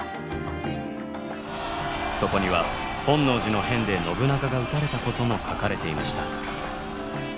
そこには本能寺の変で信長が討たれたことも書かれていました。